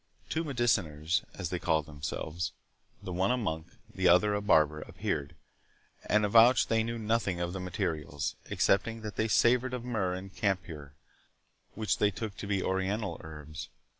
Two mediciners, as they called themselves, the one a monk, the other a barber, appeared, and avouched they knew nothing of the materials, excepting that they savoured of myrrh and camphire, which they took to be Oriental herbs.